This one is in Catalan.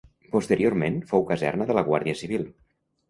Posteriorment fou caserna de la guàrdia civil.